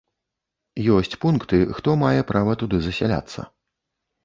Ёсць пункты, хто мае права туды засяляцца.